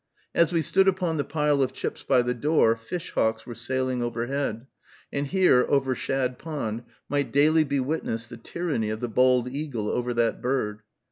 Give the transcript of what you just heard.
As we stood upon the pile of chips by the door, fish hawks were sailing overhead; and here, over Shad Pond, might daily be witnessed the tyranny of the bald eagle over that bird.